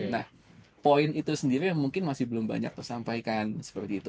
nah poin itu sendiri mungkin masih belum banyak tersampaikan seperti itu